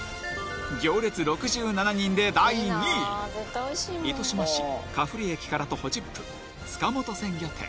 行列６７人で第２位糸島市加布里駅から徒歩１０分塚本鮮魚店